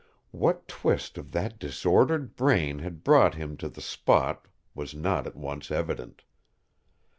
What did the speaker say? What twist of that disordered brain had brought him to the spot was not at once evident.